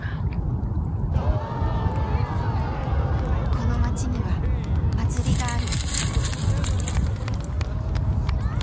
この町には祭りがある。